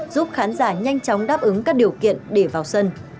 giúp khán giả nhanh chóng đáp ứng các điều kiện để vào sân